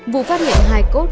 vụ phát hiện hai cốt